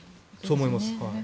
そう思います。